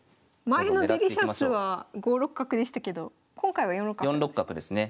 前のデリシャスは５六角でしたけど今回は４六角ですね。